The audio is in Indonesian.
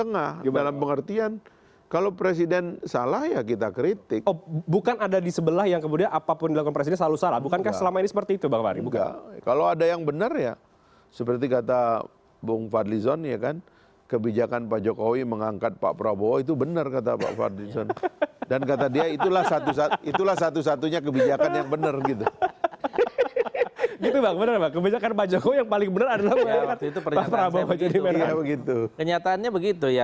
nah itu menurut saya kesetiaan kita pada itu